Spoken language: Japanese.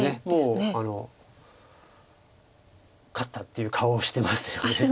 もう勝ったっていう顔をしてますよね。